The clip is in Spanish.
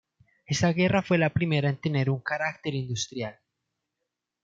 Esta guerra fue la primera en tener un carácter industrial.